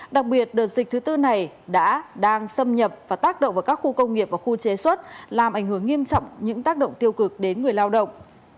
đặc biệt đợt dịch thứ tư này đã đang xâm nhập và tác động vào các khu công nghiệp và khu chế xuất làm ảnh hưởng nghiêm trọng những tác động tiêu cực đến người lao động